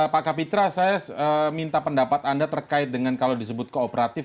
pak kapitra saya minta pendapat anda terkait dengan kalau disebut kooperatif